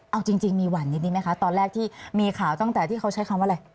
เอาจริงมีหวั่นนิดไหมคะตอนแรกที่มีข่าวตั้งแต่ที่เขาใช้คำว่าอะไร